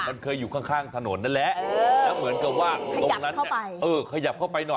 มันเคยอยู่ข้างถนนนั่นแหละแล้วเหมือนกับว่าตรงนั้นขยับเข้าไปหน่อย